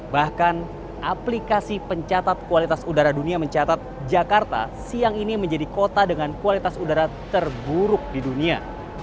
bahkan aplikasi pencatat kualitas udara dunia mencatat jakarta siang ini menjadi kota dengan kualitas udara terburuk di dunia